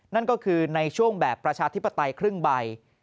นั่นก็คือในช่วงแบบประชาธิปไตยครึ่งใบ